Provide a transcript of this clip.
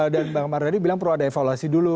dan mbak marudadi bilang perlu ada evaluasi dulu